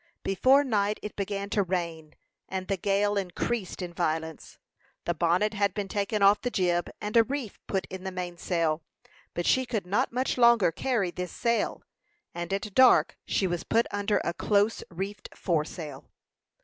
Before night it began to rain, and the gale increased in violence. The bonnet had been taken off the jib, and a reef put in the mainsail; but she could not much longer carry this sail, and at dark she was put under a close reefed foresail.